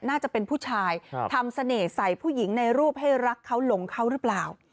น่าจะเป็นผู้ชายทำเสน่ห์ใส่ผู้หญิงในรูปให้รักเขาหลงเขาหรือเปล่า